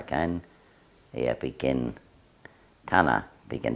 itu adalah hal yang harus dilakukan